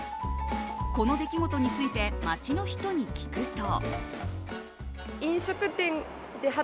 この出来事について街の人に聞くと。